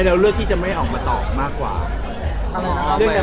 เป็นริ่องของข้างครับ